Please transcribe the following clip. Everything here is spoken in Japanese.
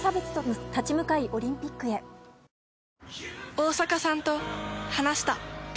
大坂さんと話した。